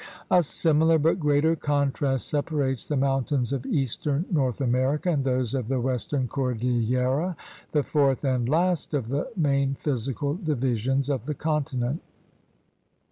A similar but greater contrast separates the mountains of eastern North America and those of the western cordillera — the fourth and last of the main physical divisions of the continent.